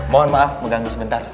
mohon maaf mengganggu sebentar